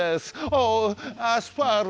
アスファルト！